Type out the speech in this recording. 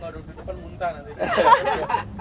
kalau duduk di depan muntah nanti